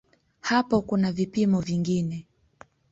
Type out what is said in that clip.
Hapo kuna vipimo vingine.